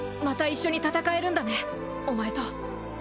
また一緒に戦えるんだねお前と。